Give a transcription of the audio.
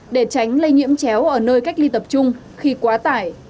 để tránh lây nhiễm chéo ở nơi cách ly tập trung khi quá tải